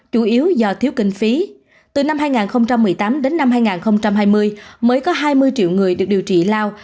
chủ yếu do thiếu kinh phí từ năm hai nghìn một mươi tám đến năm hai nghìn hai mươi mới có hai mươi triệu người được điều trị lao